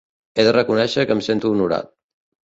He de reconèixer que em sento honorat.